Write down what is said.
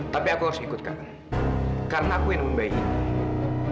tapi aku harus ikut kak karena aku yang nemuin bayi itu